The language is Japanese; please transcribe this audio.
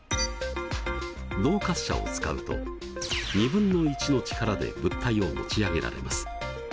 動滑車を使うと２分の１の力で物体を持ち上げられます。